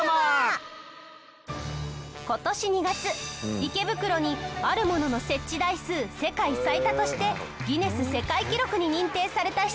今年２月池袋にあるものの設置台数世界最多としてギネス世界記録に認定された施設が誕生！